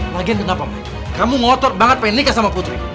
lagian kenapa kamu ngotot banget pengen nikah sama putri